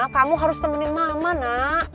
kamu harus temenin mama nak